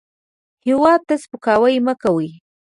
هېواد ته سپکاوی مه کوئ